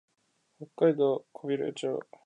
北海道古平町